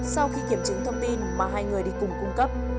sau khi kiểm chứng thông tin mà hai người đi cùng cung cấp